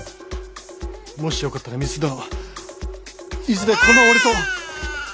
もしよかったら美鈴殿いずれこの俺と。